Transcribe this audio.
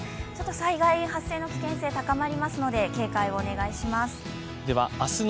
災害発生の危険性が高まりますので、警戒をお願いします。